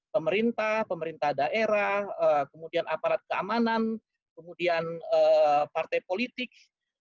pemerintah pemerintah daerah kemudian aparat keamanan kemudian partai politik